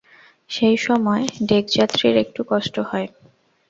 সেই সময় ডেকযাত্রীর একটু কষ্ট হয়।